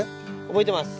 覚えてます。